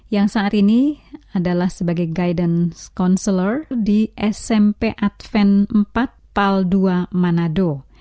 yang saat ini adalah sebagai guidance counselor di smp advent empat pal dua manado